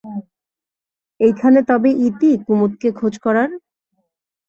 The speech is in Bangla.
এইখানে তবে ইতি কুমুদকে খোঁজ করার?